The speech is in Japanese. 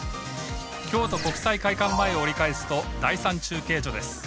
京都国際会館前を折り返すと第３中継所です。